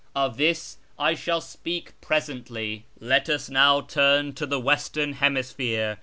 Of this I shall speak presently. shirAz 279 Let us now turn to the " western hemisphere."